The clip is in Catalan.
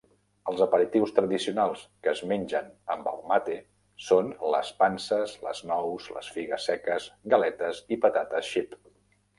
Els aperitius tradicionals que es mengen amb el mate són les panses, les nous, les figues seques, galetes i patates xip.